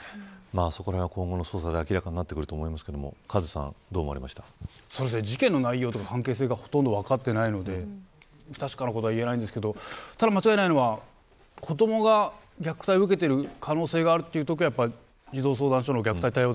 そのあたりはこの後の捜査で明らかになると思いますが事件の関係性とか内容が分かっていないので不確かなことは言えませんけど間違いないのは、子どもが虐待を受けている可能性があるときは児童相談所の虐待対応